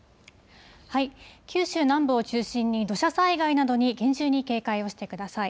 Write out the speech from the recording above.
九州南部を中心に土砂災害などに厳重に警戒をしてください。